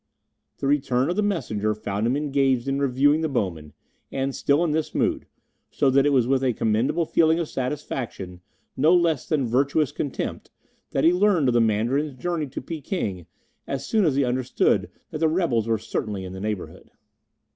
The return of the messenger found him engaged in reviewing the bowmen, and still in this mood, so that it was with a commendable feeling of satisfaction, no less than virtuous contempt, that he learned of the Mandarin's journey to Peking as soon as he understood that the rebels were certainly in the neighbourhood.